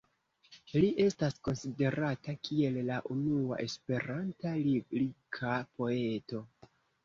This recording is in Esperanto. Li estas konsiderata kiel la unua Esperanta lirika poeto.